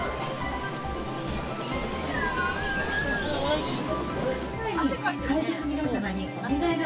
おいしい。